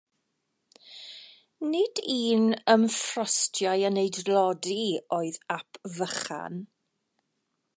Nid un ymffrostiai yn ei dlodi oedd Ap Vychan.